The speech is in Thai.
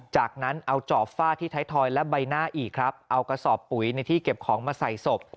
จากนั้นเอาจอบฟาดที่ไทยทอยและใบหน้าอีกครับเอากระสอบปุ๋ยในที่เก็บของมาใส่ศพ